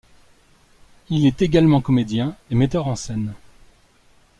Il est également comédien et metteur en scène.